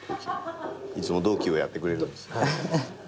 いつも同期をやってくれるんです。